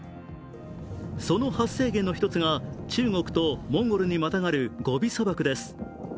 その発生源の一つが中国とモンゴルにまたがるゴビ砂漠です。